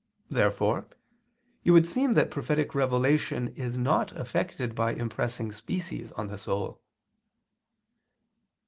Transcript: Therefore it would seem that prophetic revelation is not effected by impressing species on the soul.